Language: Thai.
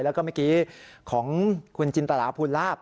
แล้วก็เมื่อกี้ของคุณจินตราภูลาภ